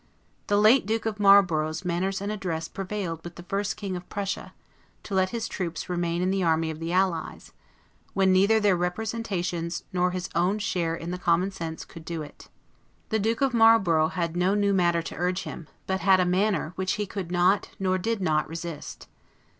The late Duke of Marlborough's manners and address prevailed with the first king of Prussia, to let his troops remain in the army of the Allies, when neither their representations, nor his own share in the common cause could do it. The Duke of Marlborough had no new matter to urge to him; but had a manner, which he could not, nor did not, resist.